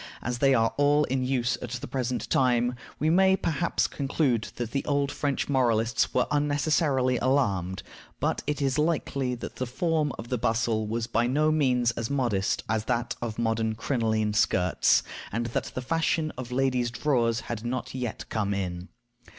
As they are all in use at the present time, we may perhaps conclude that the old French moralists were unnecessarily alarmed; but it is likely that the form of the bustle was by no means as modest as that of modern crinoline skirts, and that the fashion of ladies' drawers had not yet come in.